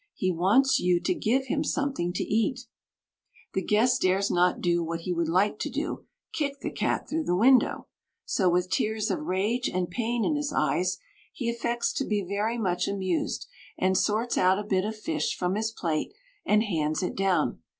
He wants you to give him something to eat." The guest dares not do what he would like to do kick the cat through the window so, with tears of rage and pain in his eyes, he affects to be very much amused, and sorts out a bit of fish from his plate and hands it down.